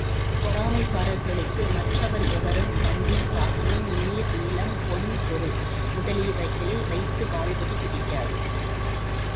பொறாமைக்காரர்களுக்கு மற்றவர் எவரும் வண்டி, வாகனம், நீர், நிலம், பொன், பொருள் முதலியவைகளை வைத்து வாழ்வது பிடிக்காது.